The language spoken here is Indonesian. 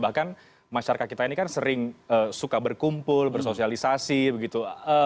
bahkan masyarakat kita ini kan sering suka berkumpul bersosialisasi begitu